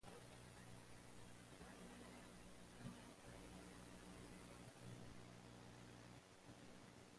The enemies a player will encounter include the Sentinels and the Skrits.